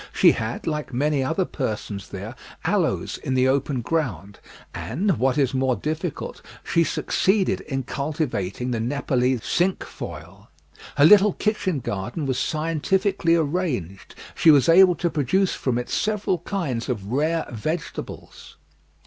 She had, like many other persons there, aloes in the open ground, and, what is more difficult, she succeeded in cultivating the Nepaulese cinquefoil. Her little kitchen garden was scientifically arranged; she was able to produce from it several kinds of rare vegetables.